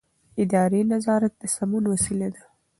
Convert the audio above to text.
اداري نظارت د سمون وسیله ده.